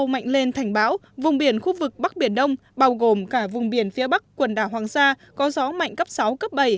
mạnh lên thành bão vùng biển khu vực bắc biển đông bao gồm cả vùng biển phía bắc quần đảo hoàng sa có gió mạnh cấp sáu cấp bảy